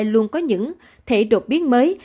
luôn có những thể đột biến mới